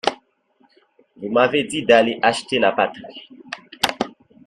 Vous m’avez dit d’aller acheter la Patrie.